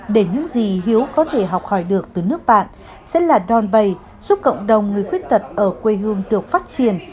để những gì hiếu có thể học hỏi được từ nước bạn sẽ là đòn bầy giúp cộng đồng người khuyết tật ở quê hương được phát triển